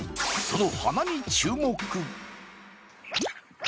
その鼻に注目。